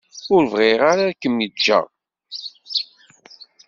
Ur bɣiɣ ara ad kem-ǧǧeɣ.